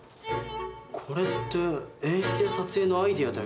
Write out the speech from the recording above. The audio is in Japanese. これって演出や撮影のアイデアだよね。